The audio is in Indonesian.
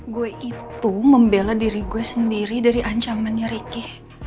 gue itu membela diri gue sendiri dari ancamannya ricky